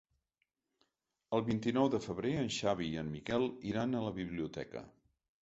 El vint-i-nou de febrer en Xavi i en Miquel iran a la biblioteca.